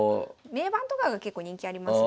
銘板とかが結構人気ありますね。